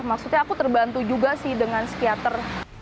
maksudnya aku terbantu juga sih dengan psikiater